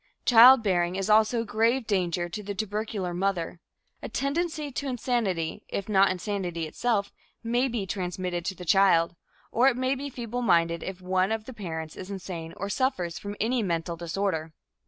Childbearing is also a grave danger to the tubercular mother. A tendency to insanity, if not insanity itself, may be transmitted to the child, or it may be feebleminded if one of the parents is insane or suffers from any mental disorder.